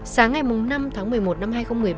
sáng ngày năm tháng một mươi một năm hai nghìn một mươi ba